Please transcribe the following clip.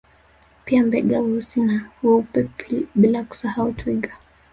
Pia Mbega weusi na weupe bila kusahau Twiga